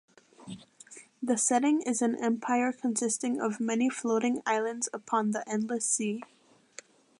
The setting is an empire consisting of many floating islands upon the Endless Sea.